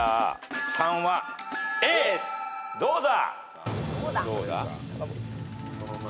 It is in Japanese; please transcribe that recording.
どうだ？